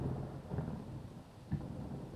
藤本七海是出身于日本大阪的童星。